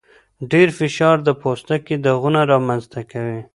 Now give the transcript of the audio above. ډېر فشار د پوستکي داغونه رامنځته کوي.